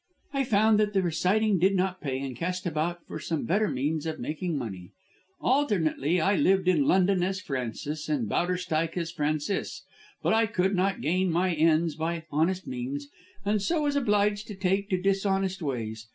I found that the reciting did not pay and cast about for some better means of making money. Alternately I lived in London as Frances, and in Bowderstyke as Francis. But I could not gain my ends by honest means, and so was obliged to take to dishonest ways.